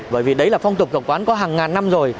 bởi vì đấy là phong tục tập quán có hàng ngàn năm rồi